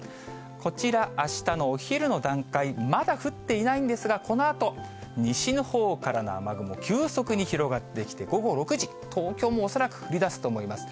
こちら、あしたのお昼の段階、まだ降っていないんですが、このあと、西のほうからの雨雲、急速に広がってきて、午後６時、東京も恐らく降りだすと思います。